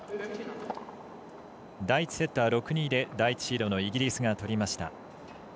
第１セットは６−２で第１シードのイギリスが取りました。